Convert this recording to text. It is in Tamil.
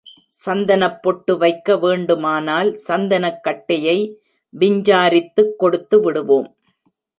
சந்தனப் பொட்டு வைக்க வேண்டுமானால் சந்தனக் கட்டையை விஞ்சாரித்துக் கொடுத்துவிடுவோம்.